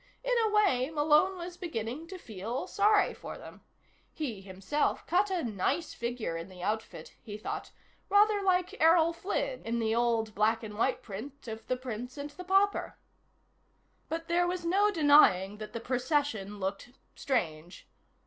In a way, Malone was beginning to feel sorry for them. He himself cut a nice figure in the outfit, he thought rather like Errol Flynn in the old black and white print of The Prince and the Pauper. But there was no denying that the procession looked strange.